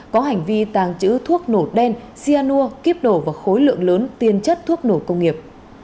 có hành vi tàng chữ thuốc nổ đen xia nua kiếp đổ và khối lượng lớn tiên chất thuốc nổ công nghiệp